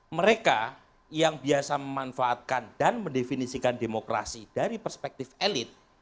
mereka yang biasa memanfaatkan dan mendefinisikan demokrasi dari perspektif elit